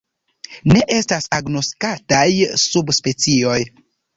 Ne estas agnoskataj subspecioj.